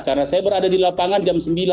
karena saya berada di lapangan jam sembilan